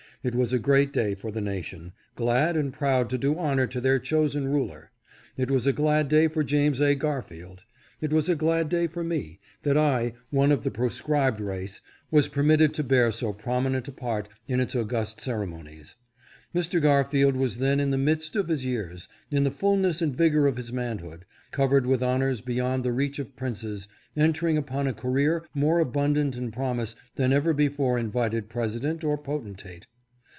It was a great day for the nation, glad and proud to do honor to their chosen ruler. It was a glad day for James A. Gar field. It was a glad day for me, that I — one of the pro scribed race — was permitted to bear so prominent a part in its august ceremonies. Mr. Garfield was then in the midst of his years, in the fulness and vigor of his man hood, covered with honors beyond the reach of princes, entering upon a career more abundant in promise than ever before invited president or potentate.